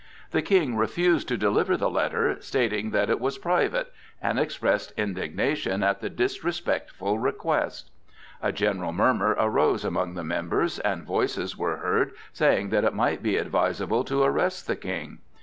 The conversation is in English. The King refused to deliver the letter, stating that it was private, and expressed indignation at the disrespectful request. A general murmur arose among the members, and voices were heard saying that it might be advisable to arrest the King.